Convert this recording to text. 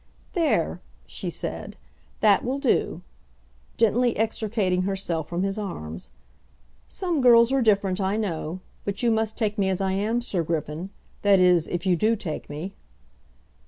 "There," she said, "that will do," gently extricating herself from his arms. "Some girls are different, I know; but you must take me as I am, Sir Griffin; that is, if you do take me."